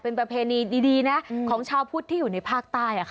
เป็นประเพณีดีนะของชาวพุทธที่อยู่ในภาคใต้